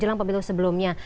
jelang pemilu sebelumnya